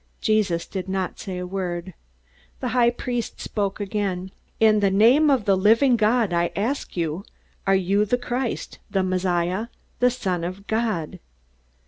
Jesus did not say a word. The high priest spoke again: "In the name of the living God I ask you: Are you the Christ the Messiah the Son of God?"